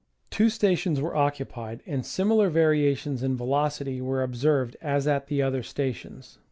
Two stations were occupied, and similar variations in velocity were observed as at the other stations.